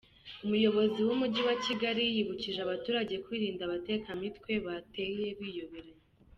Umuyobozi w’Umujyi wa Kigali yibukije abaturage kwirinda abatekamitwe bateye biyoberanya.